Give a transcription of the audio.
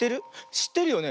しってるよね。